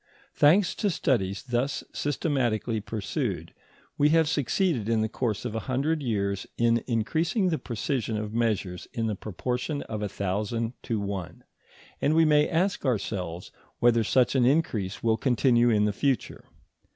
] Thanks to studies thus systematically pursued, we have succeeded in the course of a hundred years in increasing the precision of measures in the proportion of a thousand to one, and we may ask ourselves whether such an increase will continue in the future.